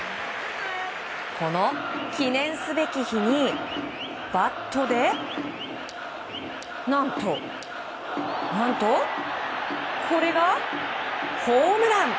この記念すべき日にバットで何と、何とこれがホームラン！